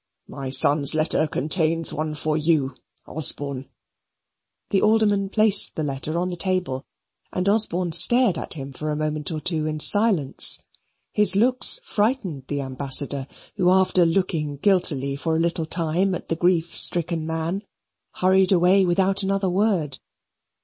My son's letter contains one for you, Osborne." The Alderman placed the letter on the table, and Osborne stared at him for a moment or two in silence. His looks frightened the ambassador, who after looking guiltily for a little time at the grief stricken man, hurried away without another word.